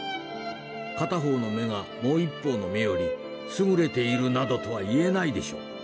片方の目がもう一方の目より優れているなどとは言えないでしょう。